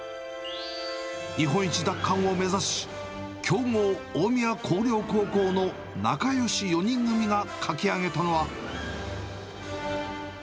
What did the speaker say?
日本一奪還を目指し、強豪、大宮光陵高校の仲よし４人組が描き上げたのは。